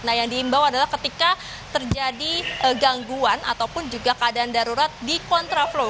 nah yang diimbau adalah ketika terjadi gangguan ataupun juga keadaan darurat di kontra flow